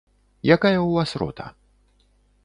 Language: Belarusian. Якая ў вас рота?